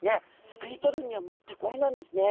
すくい取るにはもってこいなんですね。